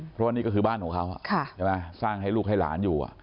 เพราะว่านี่ก็คือบ้านของเขาใช่ไหมสร้างให้ลูกให้หลานอยู่